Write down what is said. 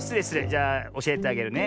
じゃあおしえてあげるね。